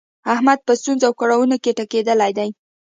احمد په ستونزو او کړاونو کې ټکېدلی دی.